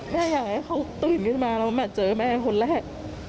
อยากให้เขาตื่นขึ้นมาแล้วมาเจอแม่คนแรก